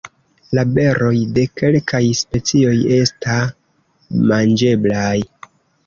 La beroj de kelkaj specioj esta manĝeblaj.